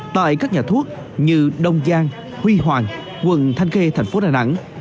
tại các nhà thuốc như đông giang huy hoàng quận thanh khê thành phố đà nẵng